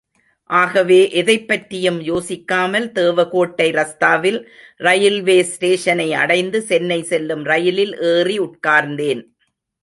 ஆகவே எதைப் பற்றியும் யோசிக்காமல் தேவகோட்டை ரஸ்தாவில் ரயில்வேஸ்டேஷனை அடைந்து சென்னை செல்லும் ரயிலில் ஏறி உட்கார்ந்தேன்.